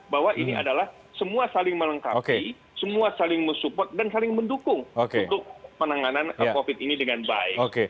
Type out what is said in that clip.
bahwa ini adalah semua saling melengkapi semua saling mensupport dan saling mendukung untuk penanganan covid ini dengan baik